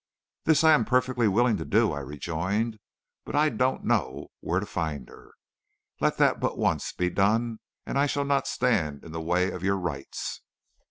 "'This I am perfectly willing to do,' I rejoined, 'but I do not know where to find her. Let that but once be done, and I shall not stand in the way of your rights.'